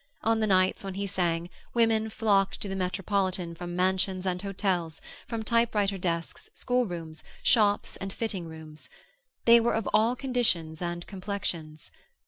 On the nights when he sang women flocked to the Metropolitan from mansions and hotels, from typewriter desks, schoolrooms, shops, and fitting rooms. They were of all conditions and complexions.